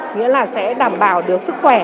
nghĩa là sẽ đảm bảo được sức khỏe